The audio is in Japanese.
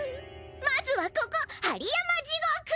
まずはここ針山地獄！